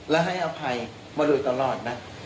และให้อภัยมาโดยตลอดนะ